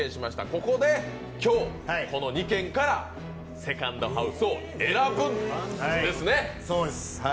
ここで今日、この２軒からセカンドハウスを選ぶんですね。